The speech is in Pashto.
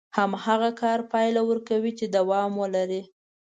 هماغه کار پايله ورکوي چې دوام ولري.